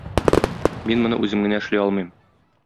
Мин моны үзем генә эшли алмыйм.